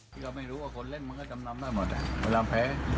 เราไม่รู้ว่าคนเล่นมันก็จำนำได้หมดเวลาแพ้